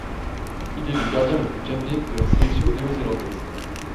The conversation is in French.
Il est le gardien le plus capé de la sélection néo-zélandaise.